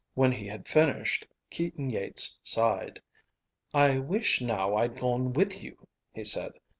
When he had finished, Keaton Yeats sighed. "I wish now I'd gone with you," he said.